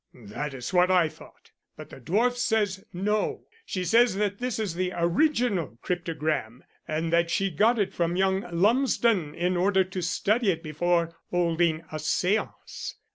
"That is what I thought, but the dwarf says, 'No.' She says that this is the original cryptogram, and that she got it from young Lumsden in order to study it before holding a séance.